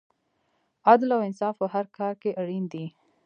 عدل او انصاف په هر کار کې اړین دی.